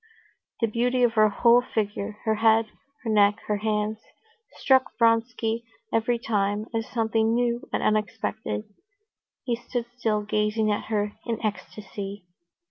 The beauty of her whole figure, her head, her neck, her hands, struck Vronsky every time as something new and unexpected. He stood still, gazing at her in ecstasy.